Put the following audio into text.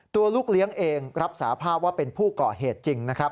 ตัวลูกเลี้ยงเองรับสาภาพว่าเป็นผู้ก่อเหตุจริงนะครับ